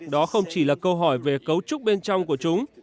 đó không chỉ là câu hỏi về cấu trúc bên trong của chúng